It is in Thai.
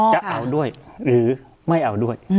จะเอาด้วยหรือไม่เอาด้วย